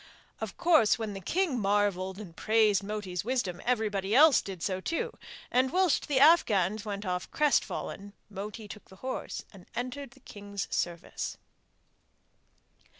Of course when the king marvelled and praised Moti's wisdom, everybody else did so too; and, whilst the Afghans went off crestfallen, Moti took the horse and entered the king's service.